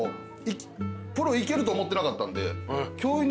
プロいけると思ってなかったんで。